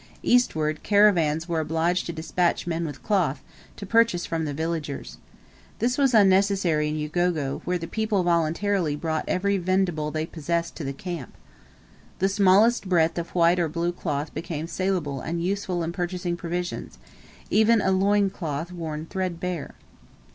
Eastward, caravans were obliged to despatch men with cloth, to purchase from the villagers. This was unnecessary in Ugogo, where the people voluntarily brought every vendible they possessed to the camp. The smallest breadth of white or blue cloth became saleable and useful in purchasing provisions even a loin cloth worn threadbare.